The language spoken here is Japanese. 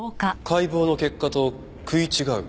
解剖の結果と食い違う？